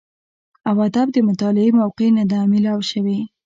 او ادب د مطالعې موقع نۀ ده ميلاو شوې